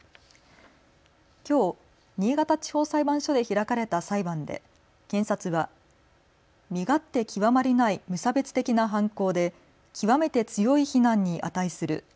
きょう、新潟地方裁判所で開かれた裁判で検察は身勝手極まりない無差別的な犯行で極めて強い非難に値する。